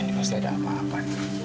ini pasti ada apa apa